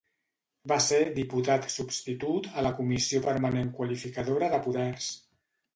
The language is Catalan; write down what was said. Va ser diputat substitut a la Comissió Permanent Qualificadora de Poders.